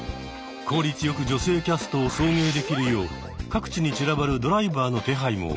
効率よく女性キャストを送迎できるよう各地に散らばるドライバーの手配も行うのだ。